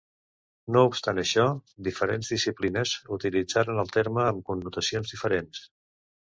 No obstant això, diferents disciplines utilitzaran el terme amb connotacions diferents.